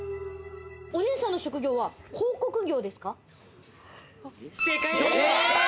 お姉さんの職業は広告業です正解です。